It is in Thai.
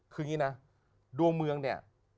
คืออย่างนี้นะดวงเมืองเนี่ย